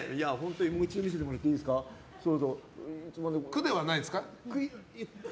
苦ではないですか？